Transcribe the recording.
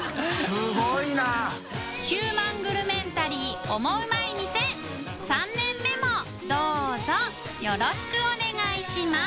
垢瓦い福礇劵紂璽泪グルメンタリーオモウマい店磽廓椶どうぞよろしくお願いします